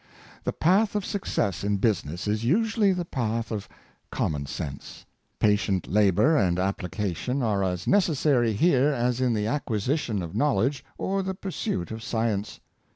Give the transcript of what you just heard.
The path of success in business is usually the path of common sense. Patient labor and application are as necessary here as in the acquisition of knowledge or the pursuit of science.